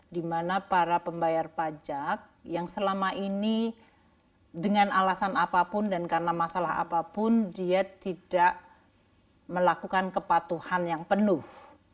dimana para pembayar pajak yang selama ini dengan alasan apapun dan karena masalah apapun dia tidak melakukan kepatuhan yang penuh